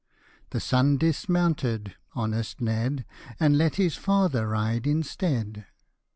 The son dismounted honest Ned, And let his father ride instead.